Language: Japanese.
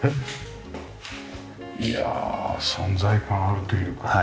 いやあ存在感あるというか。